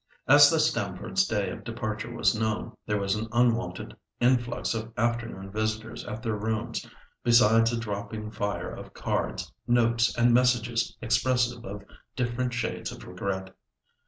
As the Stamfords' day of departure was known, there was an unwonted influx of afternoon visitors at their rooms, besides a dropping fire of cards, notes, and messages, expressive of different shades of regret.